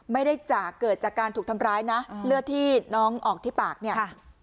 ไม่ได้จากเกิดจากการถูกทำร้ายนะเลือดที่น้องออกที่ปากเนี่ย